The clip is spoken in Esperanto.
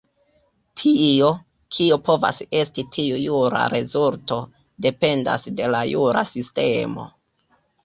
Tio, kio povas esti tiu jura rezulto, dependas de la jura sistemo.